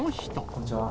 こんにちは。